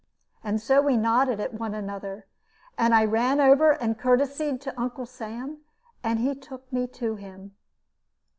And so we nodded at one another, and I ran over and courtesied to Uncle Sam, and he took me to him.